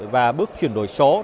và bước chuyển đổi số